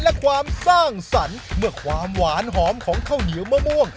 และความสร้างสรรค์เมื่อความหวานหอมของข้าวเหนียวมะม่วง